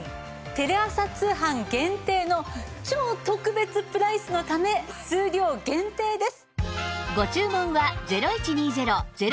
テレ朝通販限定の超特別プライスのため数量限定です。